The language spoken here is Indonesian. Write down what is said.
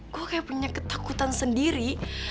kok kayak punya ketakutan sendiri